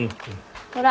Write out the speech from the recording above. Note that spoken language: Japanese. ほら。